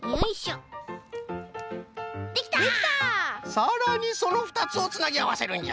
さらにそのふたつをつなぎあわせるんじゃ。